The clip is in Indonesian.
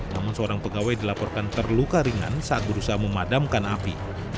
namun seorang pegawai dilaporkan terluka ringan saat berusaha memadamkan api